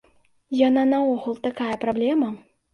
Яна наогул такая праблема.